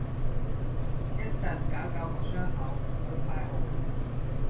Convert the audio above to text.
一陣搞搞個傷口，好快好